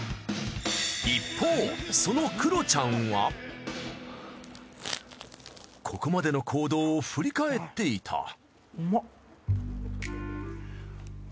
一方そのここまでの行動を振り返っていた。